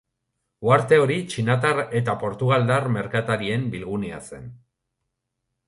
Uharte hori txinatar eta portugaldar merkatarien bilgunea zen.